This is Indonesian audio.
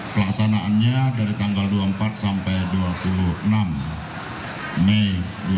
pelaksanaannya dari tanggal dua puluh empat sampai dua puluh enam mei dua ribu dua puluh